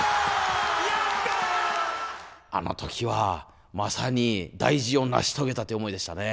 あの時はまさに大事を成し遂げたという思いでしたね。